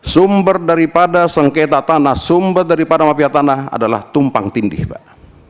sumber daripada sengketa tanah sumber daripada mafia tanah adalah tumpang tindih pak